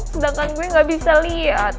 sedangkan gue gak bisa lihat